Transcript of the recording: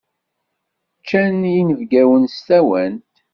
Ččan yinebgawen s tawant.